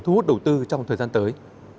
thu hút đầu tư trong thời gian tới